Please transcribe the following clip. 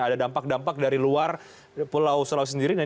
ada dampak dampak dari luar pulau sulawesi sendiri